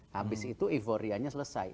habis itu evorianya selesai